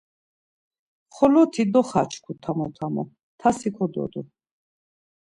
Xoloti doxaçku tamo tamo, tasi kododu.